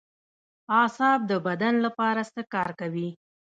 اعصاب د بدن لپاره څه کار کوي